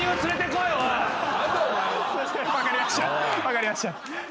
分かりました。